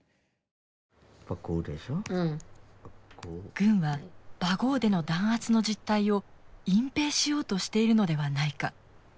軍はバゴーでの弾圧の実態を隠蔽しようとしているのではないか。